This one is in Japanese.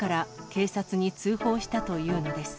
警察に通報したというのです。